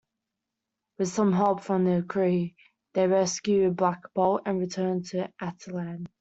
With some help from the Kree, they rescue Black Bolt and return to Attilan.